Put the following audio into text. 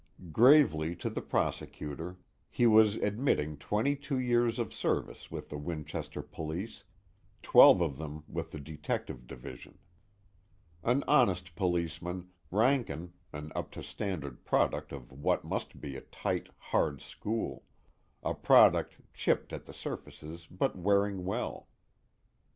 Gravely, to the prosecutor, he was admitting twenty two years of service with the Winchester Police, twelve of them with the Detective Division. An honest policeman, Rankin, an up to standard product of what must be a tight, hard school; a product chipped at the surfaces but wearing well.